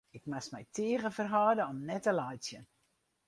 Ik moast my tige ferhâlde om net te laitsjen.